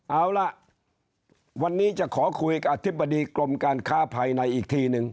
เอาล่ะวันนี้จะขอคุยกับอธิบดีกรมการค้าภายในอีกทีนึง